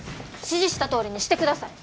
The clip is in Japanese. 指示したとおりにしてください。